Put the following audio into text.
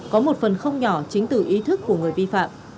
có một phần không nhỏ chính từ ý thức của người vi phạm